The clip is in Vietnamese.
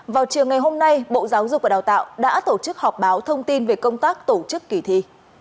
vào chiều ngày hôm nay bộ giáo dục và đào tạo đã tổ chức họp báo thông tin về công tác tổ chức kỳ thi